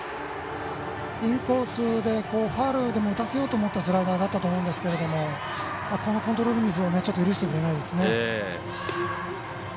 インコースでファウルでも打たせようと思ったスライダーだったと思いますがコントロールミスは許してくれないですね。